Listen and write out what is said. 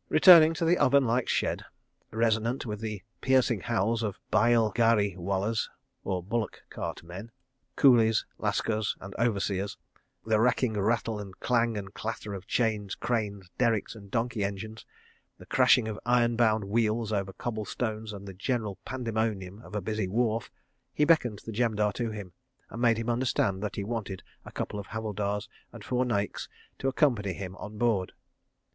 ... Returning to the oven like shed, resonant with the piercing howls of byle ghari wallas, coolies, Lascars and overseers; the racking rattle and clang and clatter of chains, cranes, derricks and donkey engines; the crashing of iron bound wheels over cobble stones, and the general pandemonium of a busy wharf, he beckoned the Jemadar to him and made him understand that he wanted a couple of Havildars and four Naiks to accompany him on board.